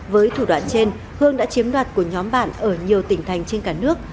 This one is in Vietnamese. với thủ đoạn trên hương đã chiếm đoạt của nhóm bạn ở nhiều tỉnh thành trên cả nước